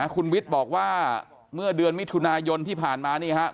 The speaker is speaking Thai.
คุณวิทย์บอกว่าเมื่อเดือนมิถุนายนที่ผ่านมานี่ครับ